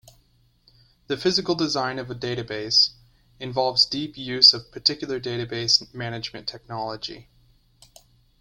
The physical design of a database involves deep use of particular database management technology.